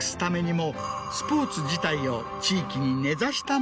も